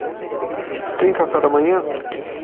Tem café da manhã?